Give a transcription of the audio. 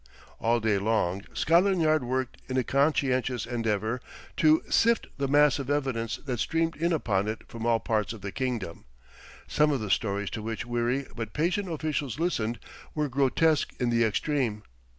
All day long Scotland Yard worked in a conscientious endeavour to sift the mass of evidence that streamed in upon it from all parts of the kingdom. Some of the stories to which weary but patient officials listened were grotesque in the extreme.